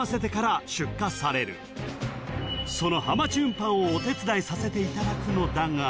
［そのはまち運搬をお手伝いさせていただくのだが］